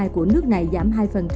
của nước này giảm hai